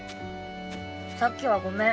さっきはごめん。